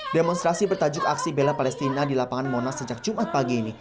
demonstrasi bertajuk aksi bela palestina di lapangan monas sejak jumat pagi ini